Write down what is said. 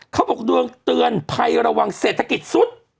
เขาบอกดวงเตือนภัยระวังเศรษฐกิจสุด